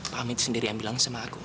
pak amit sendiri yang bilang sama aku ma